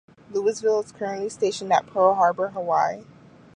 "Louisville" is currently stationed at Pearl Harbor, Hawaii.